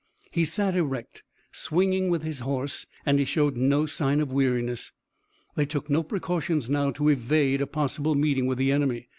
He sat erect, swinging with his horse, and he showed no sign of weariness. They took no precautions now to evade a possible meeting with the enemy.